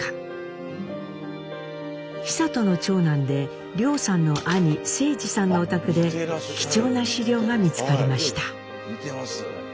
久渡の長男で凌さんの兄征二さんのお宅で貴重な資料が見つかりました。